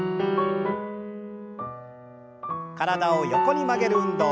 体を横に曲げる運動。